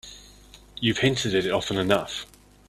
You've hinted it often enough.